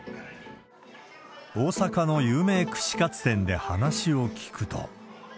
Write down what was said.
大阪の有名串カツ店で話を聞くと。